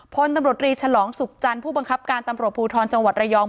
พลตำรวจรีฉลองสุขจันทร์ผู้บังคับการตำรวจภูทรจังหวัดระยอง